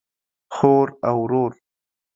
خور او ورور